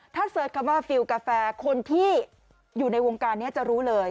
ถ้าเสิร์ชคำว่าฟิลกาแฟคนที่อยู่ในวงการนี้จะรู้เลย